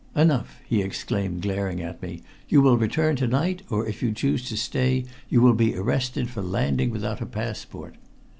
"Enough!" he exclaimed, glaring at me. "You will return to night, or if you choose to stay you will be arrested for landing without a passport."